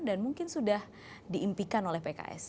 dan mungkin sudah diimpikan oleh pks